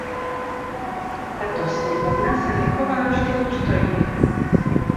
Tato sněmovna se nechová vždy důstojně.